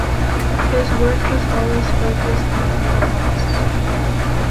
His work has always focused on La Paz.